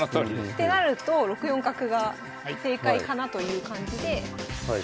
ってなると６四角が正解かなという感じででこれで。